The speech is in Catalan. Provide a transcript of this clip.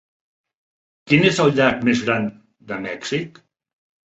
Quin és el llac més gran de Mèxic?